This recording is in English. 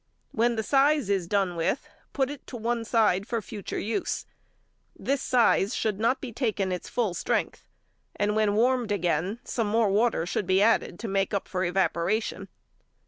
When the size is done with, put it on one side for future use. This size should not be taken its full strength, and when warmed again some more water should be added to make up for evaporation.